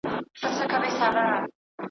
خو له افغانستان څخه مرور نه وو راغلی